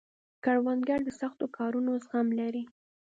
کروندګر د سختو کارونو زغم لري